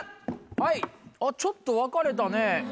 はいあっちょっと分かれたね。